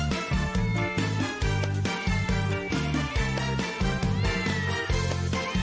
พี่บางพี่เบิร์ท